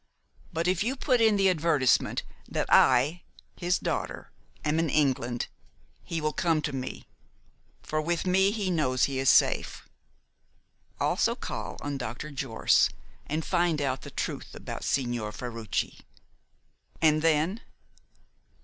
But if you put in the advertisement that I his daughter am in England, he will come to me, for with me he knows he is safe. Also call on Dr. Jorce, and find out the truth about Signor Ferruci." "And then?"